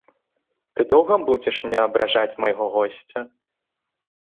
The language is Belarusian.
Ты доўга будзеш мне абражаць майго госця?